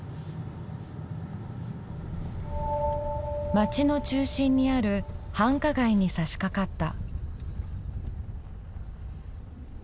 街の中心にある繁華街にさしかかった。